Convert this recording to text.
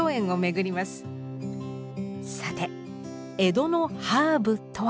さて江戸のハーブとは。